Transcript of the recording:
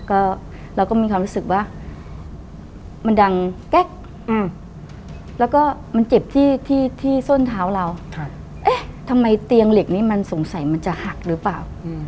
ก็เราก็มีความรู้สึกว่ามันดังแก๊กแล้วก็มันเจ็บที่ที่ส้นเท้าเราเอ๊ะทำไมเตียงเหล็กนี้มันสงสัยมันจะหักหรือเปล่า